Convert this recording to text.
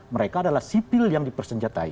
mereka adalah sipil yang dipersenjatai